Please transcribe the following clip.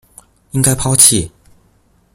應該拋棄